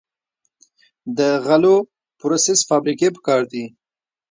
د غلو پروسس فابریکې پکار دي.